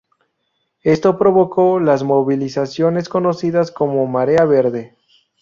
Esto provocó las movilizaciones conocidas como Marea Verde.